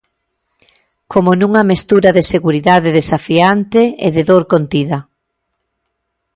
Como nunha mestura de seguridade desafiante e de dor contida.